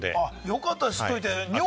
よかった知っといて。